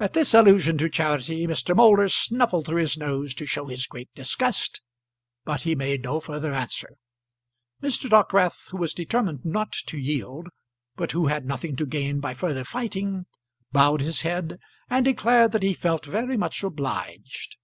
At this allusion to charity Mr. Moulder snuffled through his nose to show his great disgust, but he made no further answer. Mr. Dockwrath, who was determined not to yield, but who had nothing to gain by further fighting, bowed his head, and declared that he felt very much obliged.